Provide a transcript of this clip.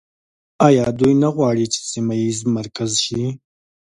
آیا دوی نه غواړي چې سیمه ییز مرکز شي؟